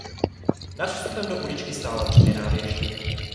Nad vstupem do uličky stála dřevěná věž.